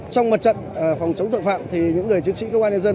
trong mặt trận phòng chống tội phạm thì những người chiến sĩ công an nhân dân